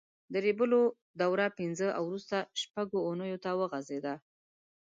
د ریبلو دوره پینځه او وروسته شپږ اوونیو ته وغځېده.